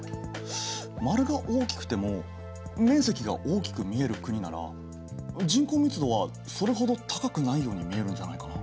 丸が大きくても面積が大きく見える国なら人口密度はそれほど高くないように見えるんじゃないかな？